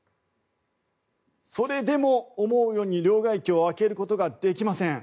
それでも思うように両替機を開けることができません。